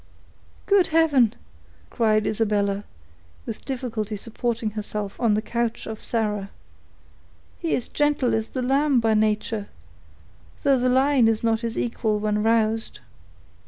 "Good heaven!" cried Isabella, with difficulty supporting herself on the couch of Sarah; "he is gentle as the lamb by nature, though the lion is not his equal when roused."